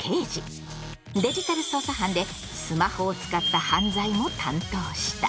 デジタル捜査班でスマホを使った犯罪も担当した。